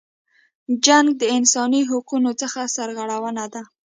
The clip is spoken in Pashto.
جنګ د انسانی حقونو څخه سرغړونه ده.